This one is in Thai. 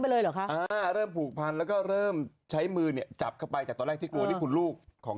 ไปเลยหรอกคะเริ่มปูพันด์แล้วก็เริ่มใช้มือเนี่ยจับกับไปจากตอนแรกที่ปูลูกของ